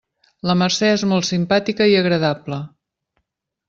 La Mercè és molt simpàtica i agradable.